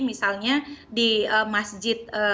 misalnya di masjid